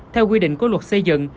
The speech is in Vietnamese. theo quy định của luật xây dựng